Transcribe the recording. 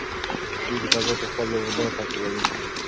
دوی په فضا کې خپل مدار تعقیبوي.